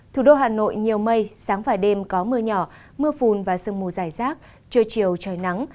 thủ đô hà nội nhiều mây sáng và đêm có mưa nhỏ mưa phùn và sương mù dài rác trưa chiều trời nắng